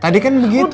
tadi kan begitu